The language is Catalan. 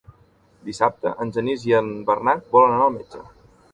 Dissabte en Genís i en Bernat volen anar al metge.